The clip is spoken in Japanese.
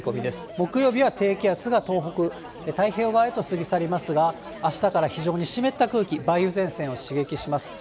木曜日は低気圧が東北、太平洋側へと過ぎ去りますが、あしたから非常に湿った空気、梅雨前線を刺激します。